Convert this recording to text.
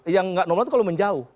yang nggak normal itu kalau menjauh